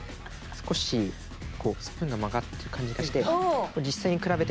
少しスプーンが曲がる感じがして。